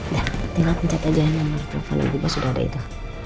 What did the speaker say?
udah tinggal pencet aja nomor telepon ibu mbak sudah ada itu